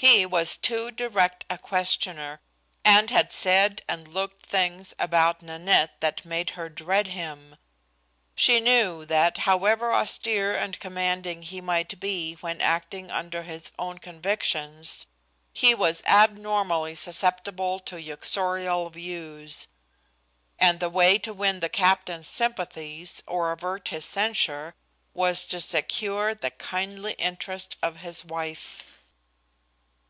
He was too direct a questioner, and had said and looked things about Nanette that made her dread him. She knew that, however austere and commanding he might be when acting under his own convictions, he was abnormally susceptible to uxorial views, and the way to win the captain's sympathies or avert his censure, was to secure the kindly interest of his wife.